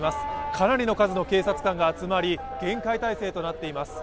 かなりの数の警察官が集まり、厳戒態勢となっています。